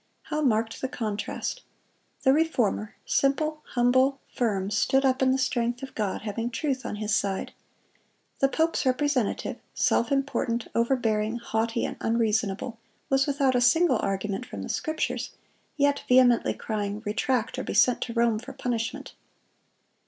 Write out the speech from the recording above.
How marked the contrast! The Reformer, simple, humble, firm, stood up in the strength of God, having truth on his side; the pope's representative, self important, overbearing, haughty, and unreasonable, was without a single argument from the Scriptures, yet vehemently crying, "Retract, or be sent to Rome for punishment."